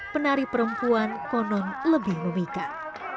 penari perempuan konon lebih memikat